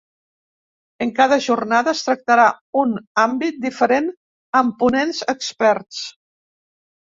En cada jornada es tractarà un àmbit diferent amb ponents experts.